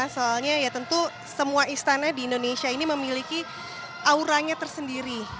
soalnya ya tentu semua istana di indonesia ini memiliki auranya tersendiri